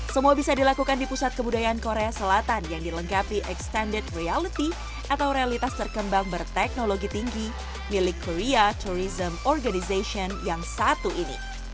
semua bisa dilakukan di pusat kebudayaan korea selatan yang dilengkapi extended reality atau realitas terkembang berteknologi tinggi milik korea tourism organization yang satu ini